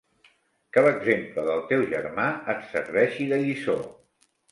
Que l'exemple del teu germà et serveixi de lliçó.